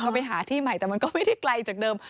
เขาไปหาที่ใหม่แต่มันก็ไม่ได้ไกลจากเดิม